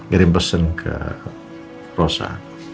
gerim pesen ke rosa